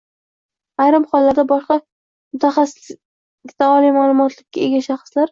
ayrim hollarda boshqa mutaxassislikdagi oliy ma’lumotga ega shaxslar